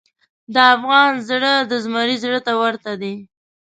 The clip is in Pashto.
د افغان زړه د زمري زړه ته ورته دی.